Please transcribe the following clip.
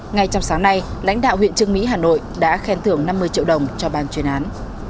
ngay trong sáng nay lãnh đạo huyện trương mỹ hà nội đã khen thưởng năm mươi triệu đồng cho ban chuyên án